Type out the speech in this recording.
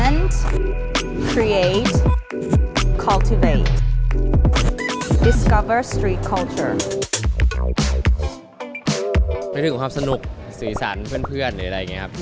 นึกถึงความสนุกสีสันเพื่อนหรืออะไรอย่างนี้ครับ